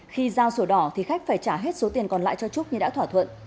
khi giao sổ đỏ thì khách phải trả hết số tiền còn lại cho trúc như đã thỏa thuận